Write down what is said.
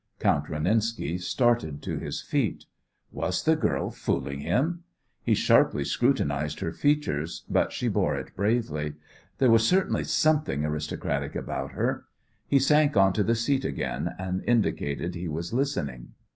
Count Renenski started to his feet. Was the girl fooling him? He sharply scrutinized her features, but she bore it bravely. There was certainly something aristocratic about her. He sank on to the seat again, and indicated he was listening.